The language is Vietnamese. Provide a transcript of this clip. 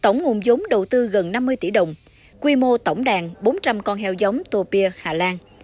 tổng nguồn giống đầu tư gần năm mươi tỷ đồng quy mô tổng đàn bốn trăm linh con heo giống tu pier hà lan